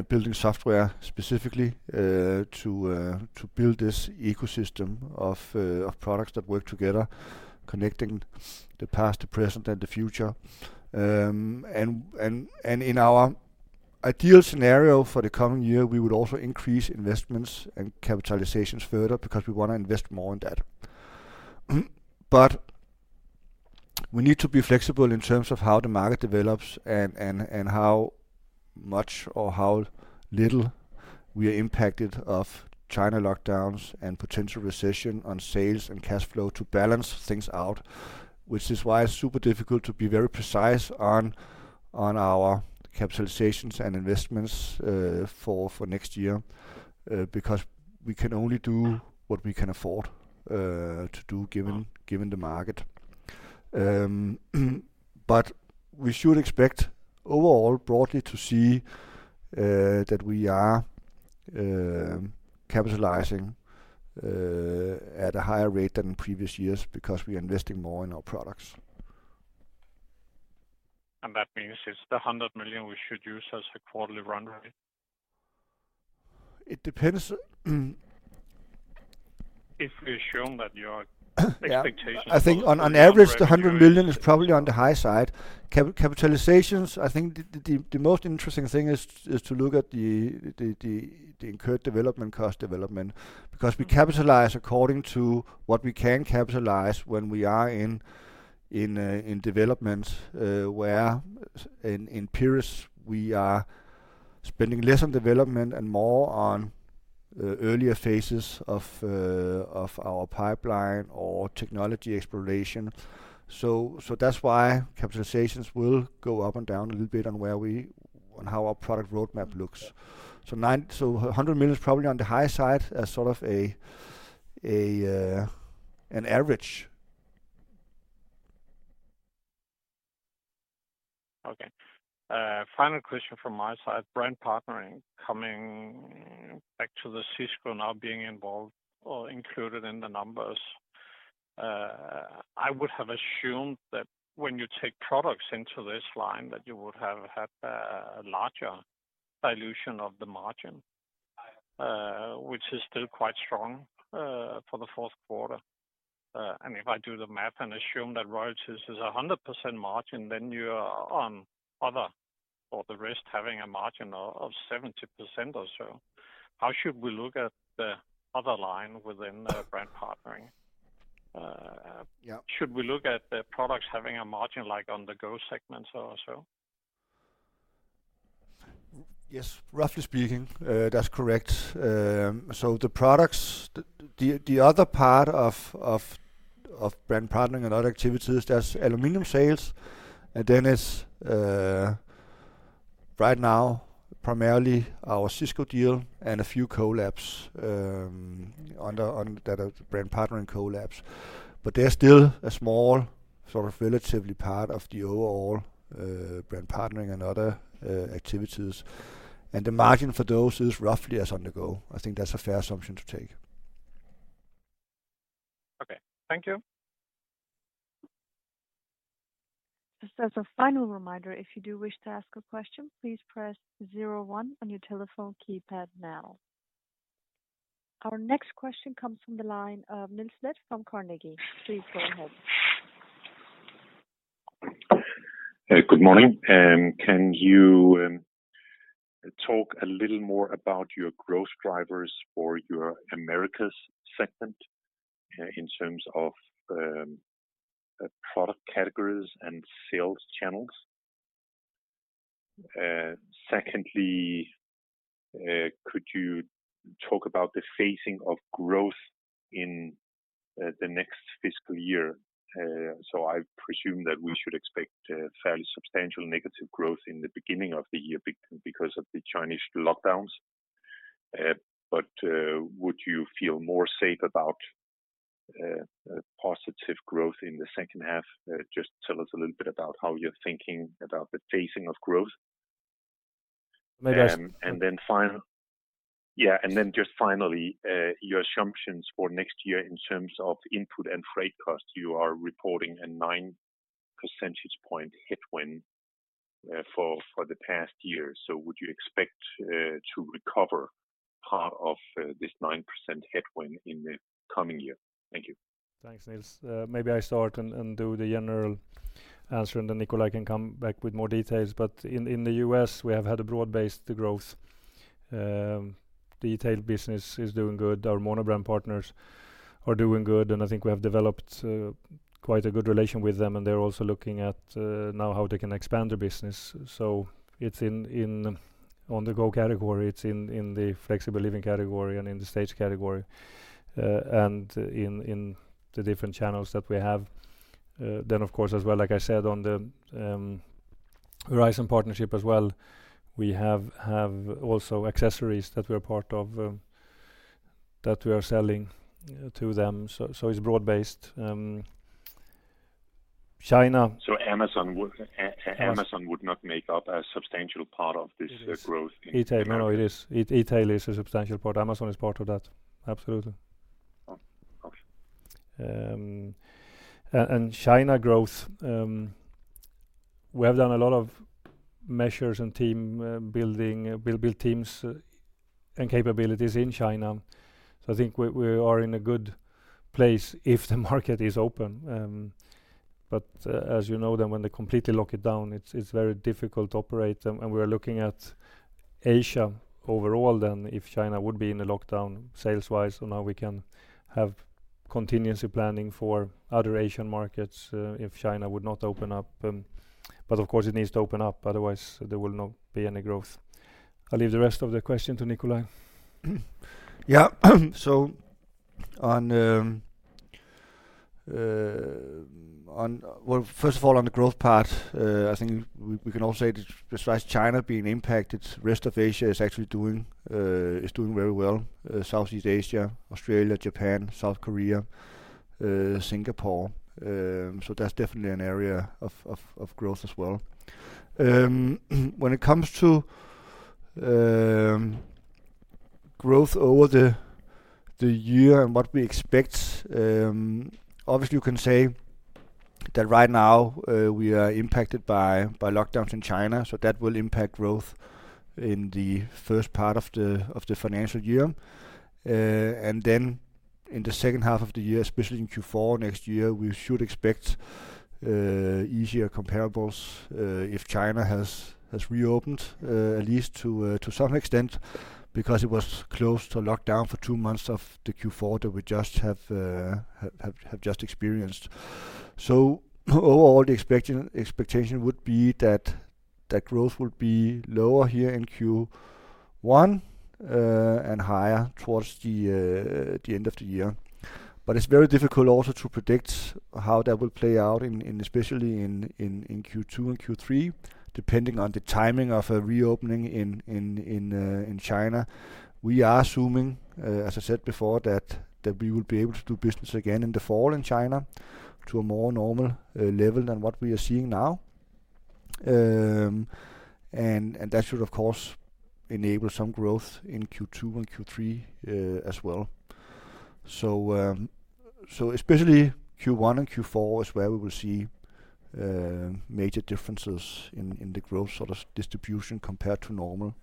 building software specifically, to build this ecosystem of products that work together, connecting the past, the present, and the future. In our ideal scenario for the coming year, we would also increase investments and capitalizations further because we wanna invest more in that. We need to be flexible in terms of how the market develops and how much or how little we are impacted by China lockdowns and potential recession on sales and cash flow to balance things out, which is why it's super difficult to be very precise on our capitalizations and investments for next year, because we can only do what we can afford to do given the market. We should expect overall broadly to see that we are capitalizing at a higher rate than previous years because we are investing more in our products. That means it's the 100 million we should use as a quarterly run rate? It depends. If we assume that your expectations. Yeah. I think on average the 100 million is probably on the high side. Capitalizations, I think the most interesting thing is to look at the incurred development cost development because we capitalize according to what we can capitalize when we are in development, where in periods we are spending less on development and more on earlier phases of our pipeline or technology exploration. That's why capitalizations will go up and down a little bit on how our product roadmap looks. 100 million is probably on the high side as sort of an average. Okay. Final question from my side. Brand partnering, coming back to the Cisco now being involved or included in the numbers. I would have assumed that when you take products into this line, that you would have had a larger dilution of the margin, which is still quite strong, for the fourth quarter. If I do the math and assume that royalties is a 100% margin, then you are on other or the rest having a margin of 70% or so. How should we look at the other line within the brand partnering? Yeah. Should we look at the products having a margin like On-the-go segments or so? Yes. Roughly speaking, that's correct. The other part of brand partnering and other activities, there's aluminum sales, and then it's right now primarily our Cisco deal and a few collabs that are brand partnering collabs. They're still a small, sort of relatively part of the overall brand partnering and other activities. The margin for those is roughly as On-the-go. I think that's a fair assumption to take. Okay. Thank you. Just as a final reminder, if you do wish to ask a question, please press zero one on your telephone keypad now. Our next question comes from the line of Niels Leth from Carnegie. Please go ahead. Good morning. Can you talk a little more about your growth drivers for your Americas segment in terms of product categories and sales channels? Secondly, could you talk about the phasing of growth in the next fiscal year? I presume that we should expect fairly substantial negative growth in the beginning of the year because of the Chinese lockdowns. Would you feel more safe about positive growth in the second half? Just tell us a little bit about how you're thinking about the phasing of growth. Maybe I- Just finally, your assumptions for next year in terms of input and freight costs. You are reporting a 9 percentage point headwind for the past year. Would you expect to recover part of this 9% headwind in the coming year? Thank you. Thanks, Niels. Maybe I start and do the general answer, and then Nikolaj can come back with more details. In the U.S., we have had a broad-based growth. Detailed business is doing good. Our monobrand partners are doing good, and I think we have developed quite a good relation with them, and they're also looking at now how they can expand their business. It's in On-the-go category, it's in the Flexible Living category and in the Stage category, and in the different channels that we have. Then of course, as well, like I said, on the Horizon partnership as well, we have also accessories that we're part of, that we are selling to them. So it's broad-based. China Amazon would. Yes. Amazon would not make up a substantial part of this. It is. growth in E-tail. No, it is. E-tail is a substantial part. Amazon is part of that. Absolutely. Oh, okay. China growth, we have done a lot of measures and team building and capabilities in China. I think we are in a good place if the market is open. As you know, then when they completely lock it down, it's very difficult to operate. We are looking at Asia overall then if China would be in a lockdown sales-wise, so now we can have contingency planning for other Asian markets, if China would not open up. Of course it needs to open up, otherwise there will not be any growth. I'll leave the rest of the question to Nikolaj. Well, first of all, on the growth part, I think we can all say despite China being impacted, rest of Asia is actually doing very well, Southeast Asia, Australia, Japan, South Korea, Singapore. That's definitely an area of growth as well. When it comes to growth over the year and what we expect, obviously you can say that right now, we are impacted by lockdowns in China, so that will impact growth in the first part of the financial year. In the second half of the year, especially in Q4 next year, we should expect easier comparables, if China has reopened, at least to some extent because it was closed or locked down for two months of the Q4 that we have just experienced. Overall, the expectation would be that growth would be lower here in Q1 and higher towards the end of the year. It's very difficult also to predict how that will play out in, especially in Q2 and Q3, depending on the timing of a reopening in China. We are assuming, as I said before, that we will be able to do business again in the fall in China to a more normal level than what we are seeing now. That should of course enable some growth in Q2 and Q3, as well. Especially Q1 and Q4 is where we will see major differences in the growth sort of distribution compared to normal.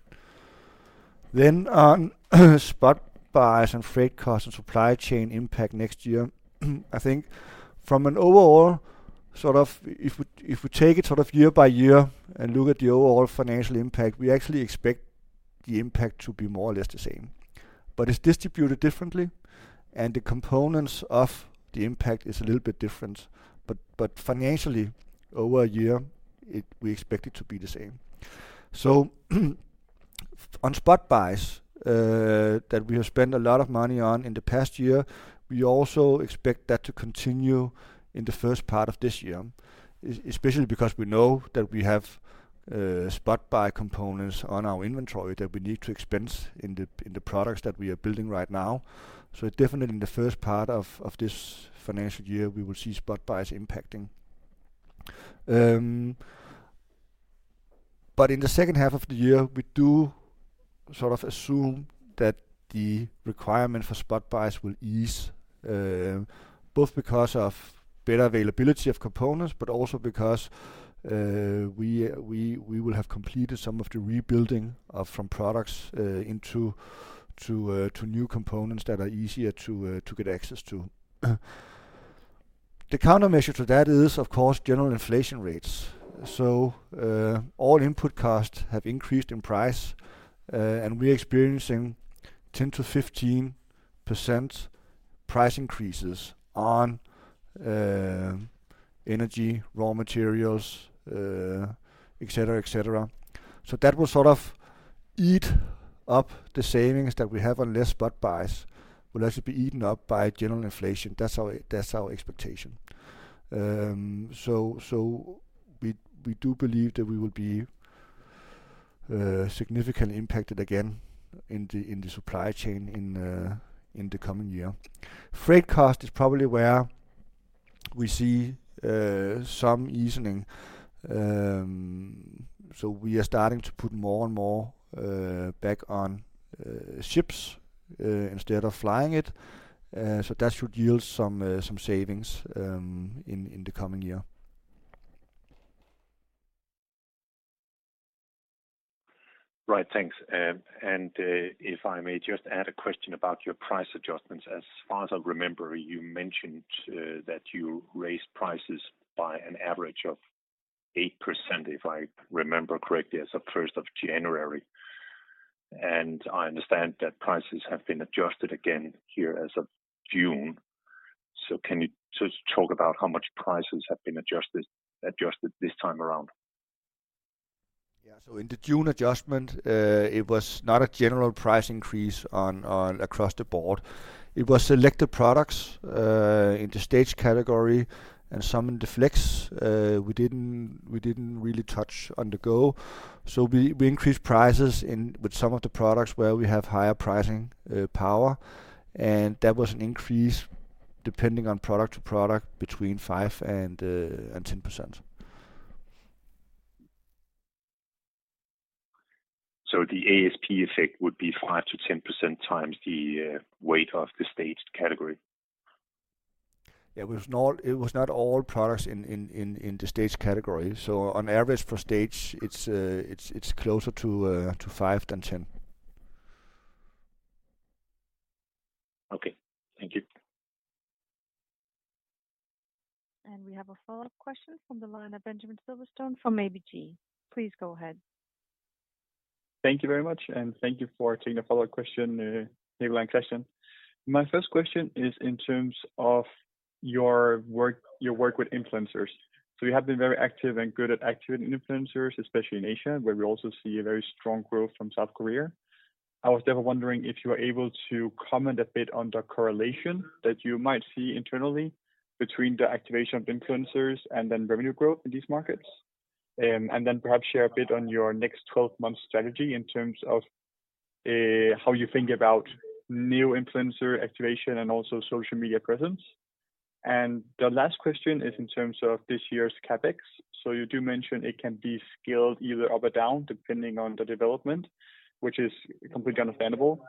On spot buys and freight costs and supply chain impact next year, I think from an overall sort of. If we take it sort of year by year and look at the overall financial impact, we actually expect the impact to be more or less the same, but it's distributed differently and the components of the impact is a little bit different. Financially, over a year, we expect it to be the same. On spot buys that we have spent a lot of money on in the past year, we also expect that to continue in the first part of this year, especially because we know that we have spot buy components on our inventory that we need to expense in the products that we are building right now. Definitely in the first part of this financial year, we will see spot buys impacting. In the second half of the year, we do sort of assume that the requirement for spot buys will ease, both because of better availability of components, but also because we will have completed some of the rebuilding from products into new components that are easier to get access to. The countermeasure to that is, of course, general inflation rates. All input costs have increased in price, and we're experiencing 10%-15% price increases on energy, raw materials, et cetera. That will sort of eat up the savings that we have on less spot buys, will actually be eaten up by general inflation. That's our expectation. We do believe that we will be significantly impacted again in the supply chain in the coming year. Freight cost is probably where we see some easing. We are starting to put more and more back on ships instead of flying it. That should yield some savings in the coming year. Right. Thanks. If I may just add a question about your price adjustments. As far as I remember, you mentioned that you raised prices by an average of 8%, if I remember correctly, as of 1st of January. I understand that prices have been adjusted again here as of June. Can you just talk about how much prices have been adjusted this time around? Yeah. In the June adjustment, it was not a general price increase on across the board. It was selected products in the Stage category and some in the Flex. We didn't really touch on the go. We increased prices in some of the products where we have higher pricing power, and that was an increase depending on product to product between 5%-10%. The ASP effect would be 5%-10% times the weight of the Stage category? It was not all products in the Stage category. On average per Stage it's closer to five than 10. Okay. Thank you. We have a follow-up question from the line of Benjamin Silverstone from ABG. Please go ahead. Thank you very much, and thank you for taking the follow-up question, Nikolaj and Kristian. My first question is in terms of your work with influencers. You have been very active and good at activating influencers, especially in Asia, where we also see a very strong growth from South Korea. I was therefore wondering if you are able to comment a bit on the correlation that you might see internally between the activation of influencers and then revenue growth in these markets. Perhaps share a bit on your next 12-month strategy in terms of how you think about new influencer activation and also social media presence. The last question is in terms of this year's CapEx. You do mention it can be scaled either up or down depending on the development, which is completely understandable.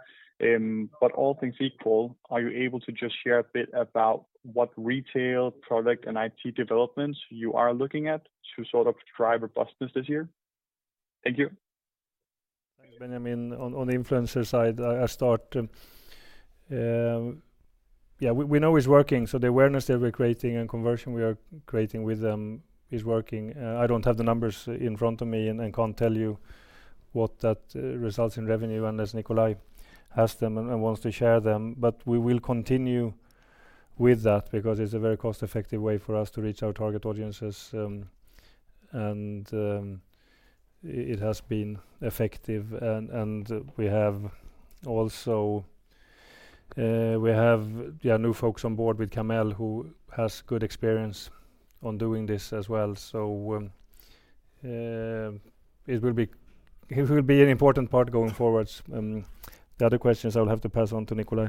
All things equal, are you able to just share a bit about what retail product and IT developments you are looking at to sort of drive robustness this year? Thank you. Thanks, Benjamin. On the influencer side, I start. Yeah, we know it's working, so the awareness that we're creating and conversion we are creating with them is working. I don't have the numbers in front of me and can't tell you what that results in revenue unless Nikolaj has them and wants to share them. We will continue with that because it's a very cost-effective way for us to reach our target audiences. It has been effective. We have also, yeah, new folks on board with Kamel, who has good experience on doing this as well. It will be an important part going forwards. The other questions I'll have to pass on to Nikolaj.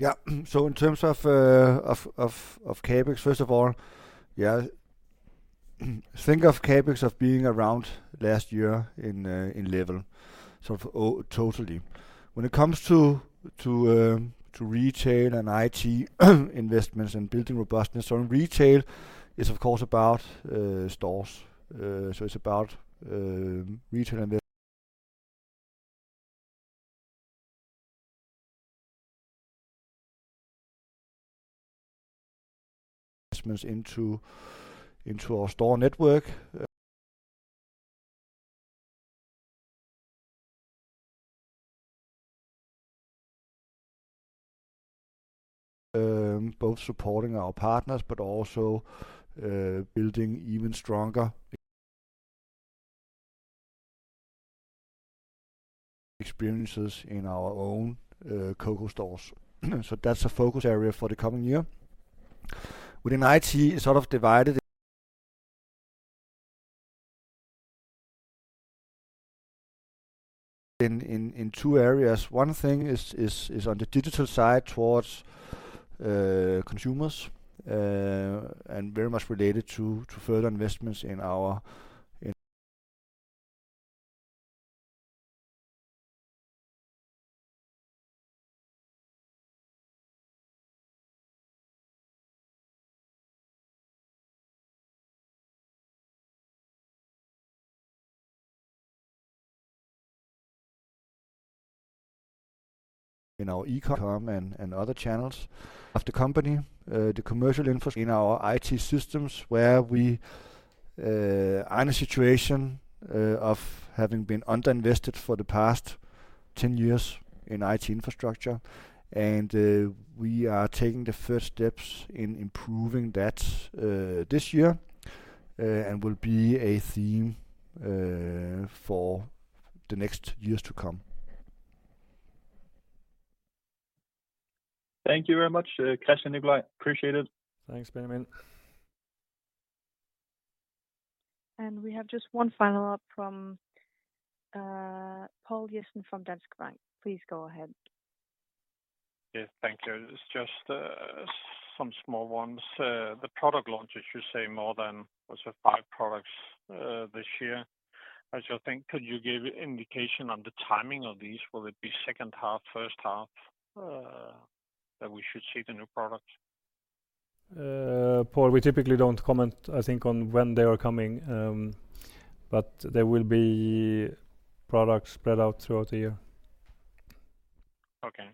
In terms of CapEx, first of all, think of CapEx as being around last year's level. When it comes to retail and IT investments and building robustness. In retail it's of course about stores. It's about retail investments into our store network, both supporting our partners but also building even stronger experiences in our own COCO stores. That's a focus area for the coming year. Within IT it's sort of divided into two areas. One thing is on the digital side towards consumers and very much related to further investments in our eCom and other channels. Of the company, the commercial infrastructure in our IT systems where we are in a situation of having been underinvested for the past 10 years in IT infrastructure. We are taking the first steps in improving that this year, and will be a theme for the next years to come. Thank you very much, Kristian and Nikolaj. Appreciate it. Thanks, Benjamin. We have just one final question from Poul Jessen from Danske Bank. Please go ahead. Yes, thank you. It's just, some small ones. The product launches, you say more than, was it, five products, this year. I just think could you give indication on the timing of these? Will it be second half, first half, that we should see the new products? Poul, we typically don't comment, I think, on when they are coming. There will be products spread out throughout the year. Okay.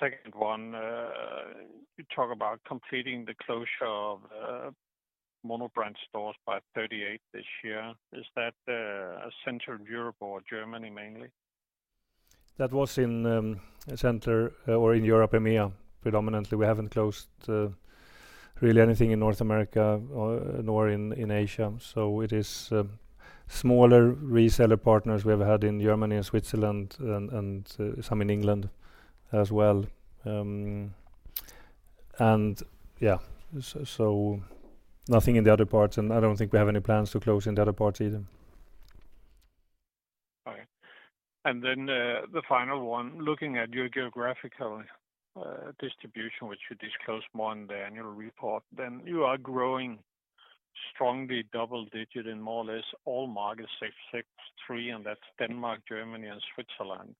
Second one. You talk about completing the closure of mono-brand stores by 38 this year. Is that Central Europe or Germany mainly? That was in central Europe, EMEA predominantly. We haven't closed really anything in North America or in Asia. It is smaller reseller partners we have had in Germany and Switzerland and some in England as well. Nothing in the other parts, and I don't think we have any plans to close in the other parts either. Okay. The final one, looking at your geographical distribution, which you disclose more in the annual report. You are growing strongly double-digit in more or less all markets, save the three, and that's Denmark, Germany, and Switzerland.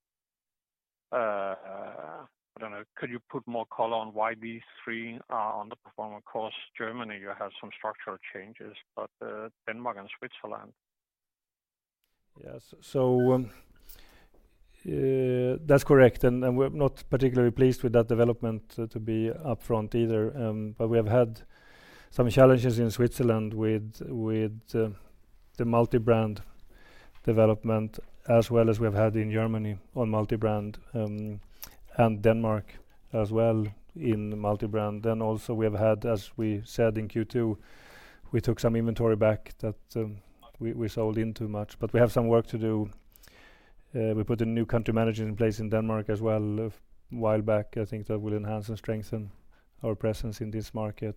I don't know, could you put more color on why these three are underperforming? Of course, Germany, you have some structural changes, but Denmark and Switzerland. Yes. So, that's correct. We're not particularly pleased with that development to be upfront either. We have had some challenges in Switzerland with the multi-brand development as well as we have had in Germany on multi-brand, and Denmark as well in multi-brand. Also we have had, as we said in Q2, we took some inventory back that we sold in too much. We have some work to do. We put a new country manager in place in Denmark as well a while back. I think that will enhance and strengthen our presence in this market.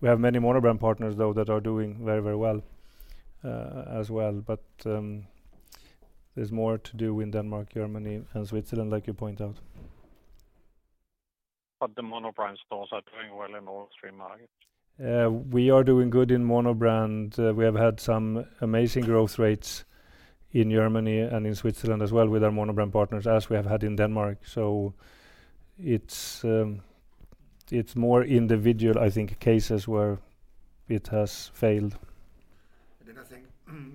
We have many mono-brand partners though, that are doing very well, as well. There's more to do in Denmark, Germany and Switzerland, like you point out. The mono-brand stores are doing well in all three markets. We are doing good in mono-brand. We have had some amazing growth rates in Germany and in Switzerland as well with our mono-brand partners as we have had in Denmark. It's more individual, I think, cases where it has failed. I think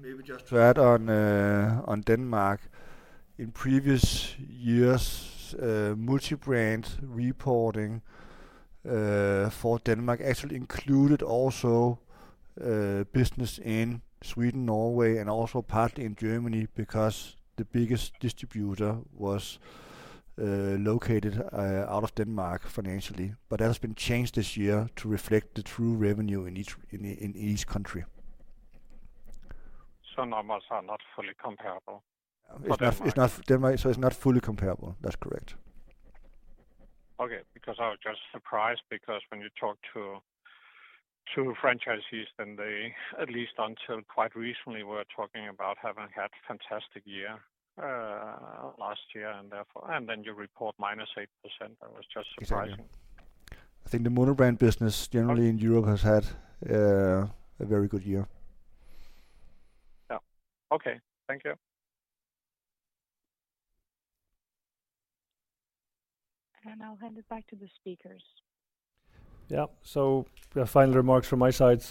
maybe just to add on Denmark. In previous years, multi-brand reporting for Denmark actually included also, business in Sweden, Norway, and also partly in Germany because the biggest distributor was located out of Denmark financially. That has been changed this year to reflect the true revenue in each country. Numbers are not fully comparable for Denmark. It's not Denmark. It's not fully comparable. That's correct. Okay, because I was just surprised because when you talk to franchisees, then they at least until quite recently were talking about having had fantastic year last year and therefore. You report -8%. That was just surprising. Exactly. I think the mono-brand business generally in Europe has had a very good year. Yeah. Okay. Thank you. I'll hand it back to the speakers. Yeah. Final remarks from my side.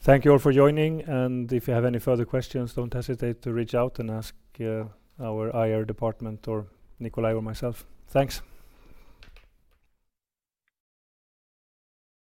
Thank you all for joining, and if you have any further questions, don't hesitate to reach out and ask our IR department or Nikolaj or myself. Thanks.